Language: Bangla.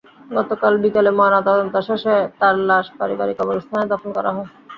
গতকাল বিকেলে ময়নাতদন্ত শেষে তাঁর লাশ পারিবারিক কবরস্থানে দাফন করা হয়।